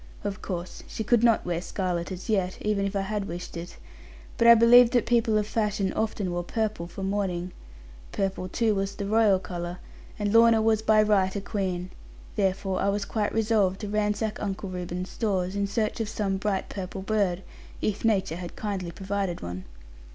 Of course she could not wear scarlet as yet, even if I had wished it; but I believed that people of fashion often wore purple for mourning; purple too was the royal colour, and Lorna was by right a queen; therefore I was quite resolved to ransack Uncle Reuben's stores, in search of some bright purple bird, if nature had kindly provided one.